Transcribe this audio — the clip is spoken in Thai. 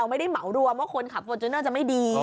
ไม่ได้เหมารวมว่าคนขับฟอร์จูเนอร์จะไม่ดี